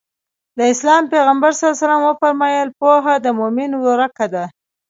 د اسلام پيغمبر ص وفرمايل پوهه د مؤمن ورکه ده.